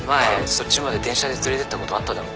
そっちまで電車で連れてったことあっただろ？